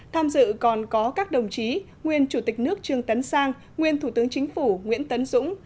tham dự còn có các đồng chí nguyên chủ tịch nước trương tấn sang nguyên thủ tướng chính phủ nguyễn tấn dũng